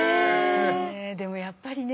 でもやっぱりね